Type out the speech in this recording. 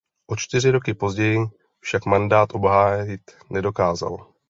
O čtyři roky později však mandát obhájit nedokázal.